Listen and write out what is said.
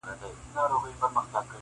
کړه یې وا لکه ګره د تورو زلفو -